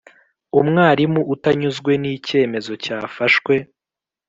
Umwarimu utanyuzwe n icyemezo cyafashwe